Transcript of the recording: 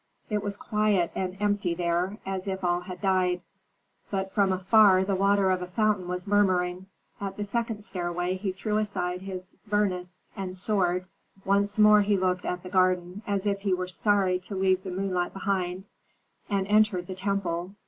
It was quiet and empty there, as if all had died; but from afar the water of a fountain was murmuring. At the second stairway he threw aside his burnous and sword; once more he looked at the garden, as if he were sorry to leave the moonlight behind, and entered the temple.